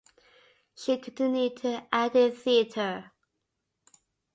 She continued to act in theatre.